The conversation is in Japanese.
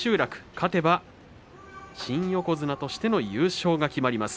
勝てば新横綱としての優勝が決まります。